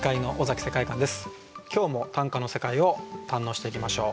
今日も短歌の世界を堪能していきましょう。